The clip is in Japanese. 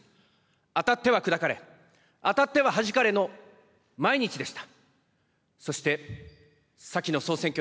当たっては砕かれ、当たってははじかれの毎日でした。